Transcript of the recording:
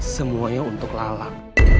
semuanya untuk lalat